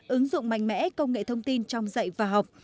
ứng dụng mạnh mẽ công nghệ thông tin trong dạy và học